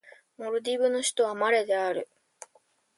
モルディブの首都はマレである